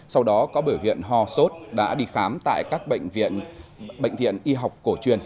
sau đó có biểu hiện hò sốt đã đi khám tại các bệnh viện y học cổ truyền